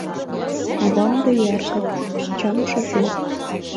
«Авам — доярка, ачам — шофёр...»